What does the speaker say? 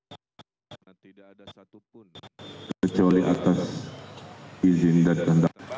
karena tidak ada satupun kecuali atas izin dan dendam